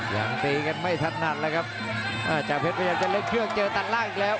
ยังตีกันไม่ถนัดเลยครับอ่าจาเพชรพยายามจะเล็กเครื่องเจอตัดล่างอีกแล้ว